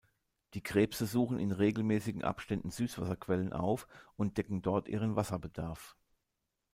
Die Krebse suchen in regelmäßigen Abständen Süßwasserquellen auf und decken dort ihren Wasserbedarf.